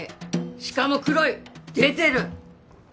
しかも黒い出てる！